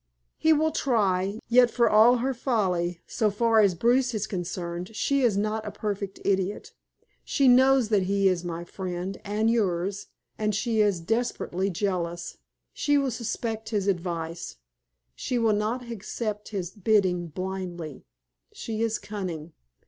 "He will try. Yet for all her folly, so far as Bruce is concerned, she is not a perfect idiot. She knows that he is my friend and yours and she is desperately jealous. She will suspect his advice. She will not accept his bidding blindly. She is cunning.